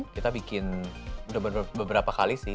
kita bikin udah beberapa kali sih